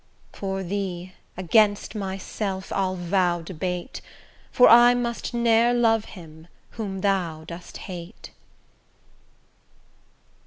For thee, against my self I'll vow debate, For I must ne'er love him whom thou dost hate.